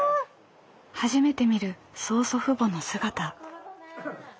初めて見る曽祖父母の姿。